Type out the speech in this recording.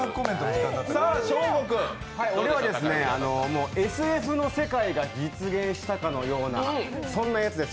俺はＳＦの世界が実現したかのようなそんなやつです。